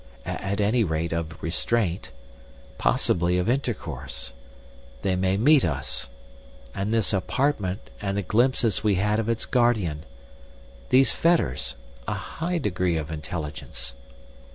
at any rate of restraint. Possibly of intercourse. They may meet us. And this apartment and the glimpses we had of its guardian. These fetters! A high degree of intelligence..."